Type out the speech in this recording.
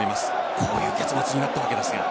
こういう結末になったわけですが。